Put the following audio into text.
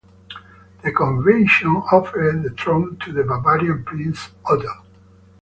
The convention offered the throne to the Bavarian Prince, Otto.